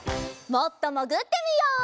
もっともぐってみよう！